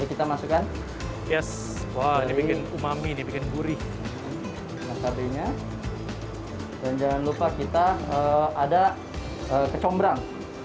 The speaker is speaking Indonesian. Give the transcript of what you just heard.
kita masukkan yes wah ini bikin umami dibikin gurih cabainya dan jangan lupa kita ada kecombrang